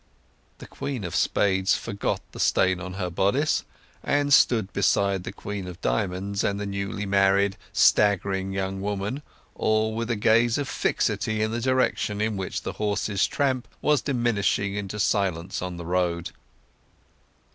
The Queen of Spades forgot the stain on her bodice, and stood beside the Queen of Diamonds and the new married, staggering young woman—all with a gaze of fixity in the direction in which the horse's tramp was diminishing into silence on the road.